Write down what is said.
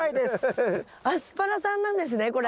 アスパラさんなんですねこれ。